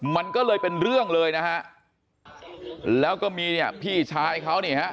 มันก็เลยเป็นเรื่องเลยนะฮะแล้วก็มีเนี่ยพี่ชายเขานี่ฮะ